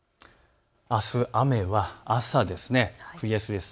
あす、雨は朝です。